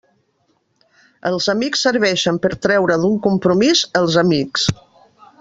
Els amics serveixen per a traure d'un compromís els amics.